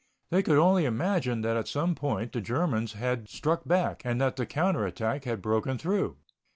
They could only imagine that at some point the Germans had struck back and that the counter attack had broken through.